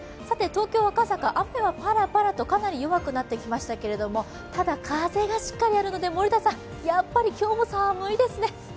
東京・赤坂、雨はぱらぱらとかなり弱くなってきましたけれども、ただ、風がしっかりあるので森田さん、やっぱり今日も寒いですね。